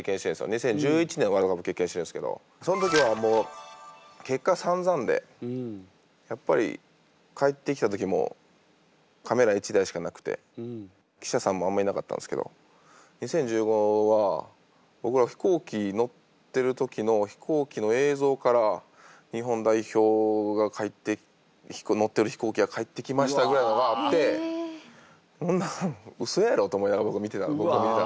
２０１１年のワールドカップ経験してるんすけどその時はもう結果さんざんでやっぱり帰ってきた時もカメラ１台しかなくて記者さんもあんまいなかったんすけど２０１５は僕ら飛行機乗ってる時の飛行機の映像から日本代表が乗ってる飛行機が帰ってきましたぐらいのがあってそんなんうそやろと思いながら僕見てたんで。